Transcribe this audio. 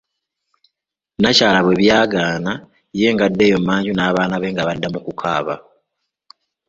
Nnakyala bwe byagaana ye ng'adda eyo manju n'abaana be nga badda mu kukaaba.